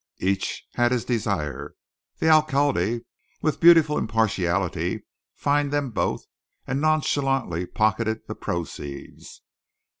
Each had his desire. The alcalde, with beautiful impartiality, fined them both; and nonchalantly pocketed the proceeds.